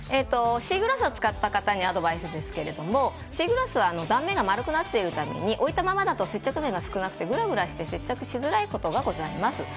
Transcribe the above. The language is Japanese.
シーグラスを使った方にアドバイスですけどもシーグラスは断面が丸くなっているために置いたままだと接着面が少なくてグラグラして接着しづらいことがございます。